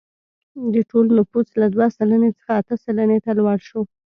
د ټول نفوس له دوه سلنې څخه اته سلنې ته لوړ شو.